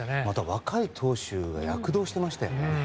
若い投手が躍動していました。